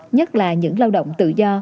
nhất là những lao động tự do